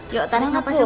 yuk tarik nafas